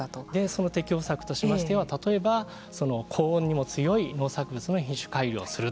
その適応策としましては例えば、高温にも強い農作物の品種改良をする。